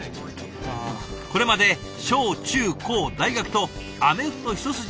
これまで小・中・高・大学とアメフト一筋だった橋口さん。